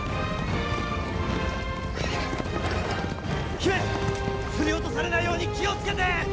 姫振り落とされないように気を付けて！